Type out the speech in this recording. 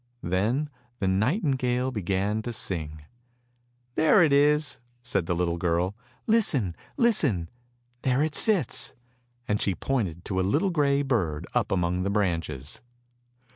" Then the nightingale began to sing. ' There it is! " said the little girl. " Listen, listen, there it sits! " and she pointed to a little grey bird up among the branches.